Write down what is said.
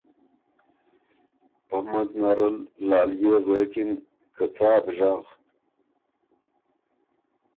پۀ منځ نرل لالئے غوېکِن که ” څا بو ژغ